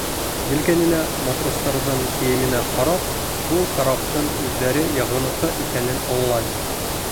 Елкәненә, матростарҙың кейеменә ҡарап, был караптың үҙҙәре яғыныҡы икәнен аңлай.